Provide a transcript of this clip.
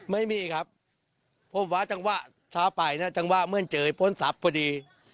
ไม่มีครับผมว่าจังหวะถ้าไปเนี่ยจังหวะเมื่อเจยพ้นศัพท์พอดี